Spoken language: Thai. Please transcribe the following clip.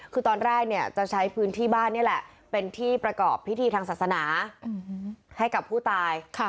คือตอนแรกเนี่ยจะใช้พื้นที่บ้านนี่แหละเป็นที่ประกอบพิธีทางศาสนาให้กับผู้ตาย